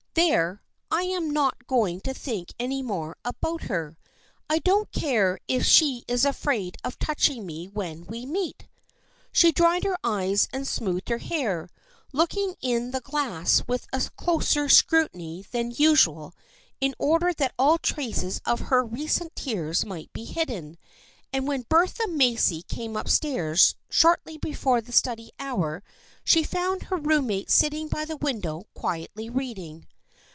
There, I am not going to think any more about her. I don't care if she is afraid of touching me when we meet." She dried her eyes and smoothed her hair, look ing in the glass with a closer scrutiny than usual THE FRIENDSHIP OF ANNE 83 in order that all traces of her recent tears might be hidden, and when Bertha Macy came up stairs shortly before the study hour she found her room mate sitting by the window quietly reading.